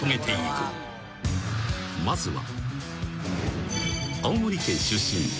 ［まずは］